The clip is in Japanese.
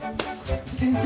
先生